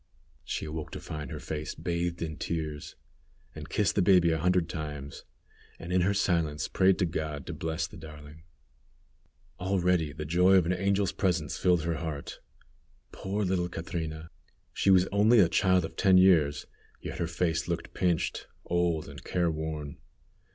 She awoke to find her face bathed in tears, and kissed the baby a hundred times, and in her silence prayed God to bless the darling. Already the joy of an angel's presence filled her heart. Poor little Catrina! She was only a child of ten years, yet her face looked pinched, old, and careworn.